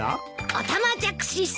オタマジャクシすくい。